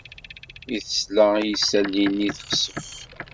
Mi tesla i yisali-nni, texsef.